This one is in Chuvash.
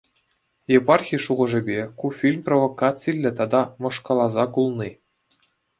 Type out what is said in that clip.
Епархи шухашӗпе, ку фильм провокациллӗ тата мӑшкӑлласа кулни.